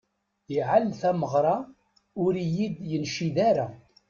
Iɛel tameɣṛa ur iyi-d-yencid ara.